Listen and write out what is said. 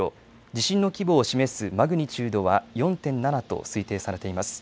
地震の規模を示すマグニチュードは４．７と推定されています。